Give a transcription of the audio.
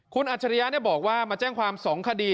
คุณอัจฉริยะบอกว่ามาแจ้งความ๒คดี